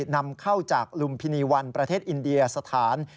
นำเข้าจากลุมพินีวันประเทศอินเดียสถาน